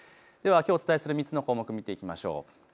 ではきょうお伝えする３つの項目を見ていきましょう。